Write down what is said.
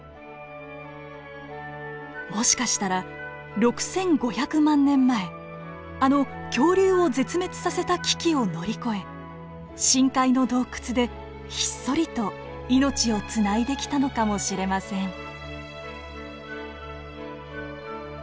もしかしたら６，５００万年前あの恐竜を絶滅させた危機を乗り越え深海の洞窟でひっそりと命をつないできたのかもしれません。